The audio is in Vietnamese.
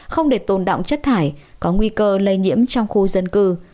không để tồn động chất thải có nguy cơ lây nhiễm trong khu dân cư